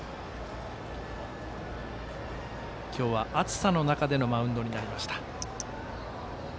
今日は暑さの中でのマウンドになりました。